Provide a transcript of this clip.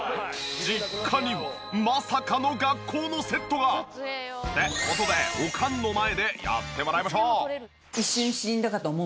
実家にはまさかの学校のセットが！って事でおかんの前でやってもらいましょう。